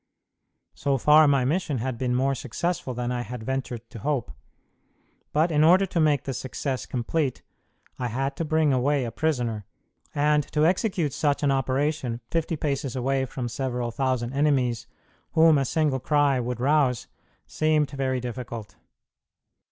So far my mission had been more successful than I had ventured to hope, but in order to make the success complete I had to bring away a prisoner, and to execute such an operation fifty paces away from several thousand enemies, whom a single cry would rouse, seemed very difficult.